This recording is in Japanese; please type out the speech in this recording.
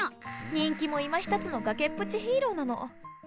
人気もいまひとつの崖っぷちヒーローなの。